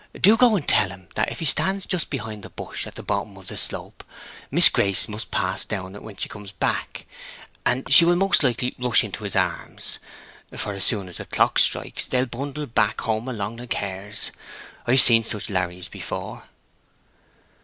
Do go and tell him that if he stands just behind the bush at the bottom of the slope, Miss Grace must pass down it when she comes back, and she will most likely rush into his arms; for as soon as the clock strikes, they'll bundle back home—along like hares. I've seen such larries before."